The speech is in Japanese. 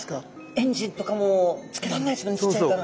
エンジンとかもつけらんないっすもんねちっちゃいから。